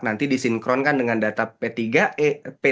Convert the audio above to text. nanti disinkronkan dengan data p tiga